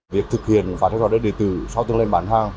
việc thực hiện hóa đơn điện tử sau từng lần bán hàng